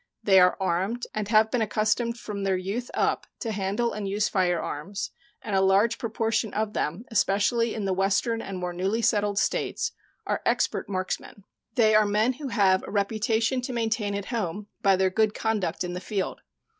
They are armed, and have been accustomed from their youth up to handle and use firearms, and a large proportion of them, especially in the Western and more newly settled States, are expert marksmen. They are men who have a reputation to maintain at home by their good conduct in the field.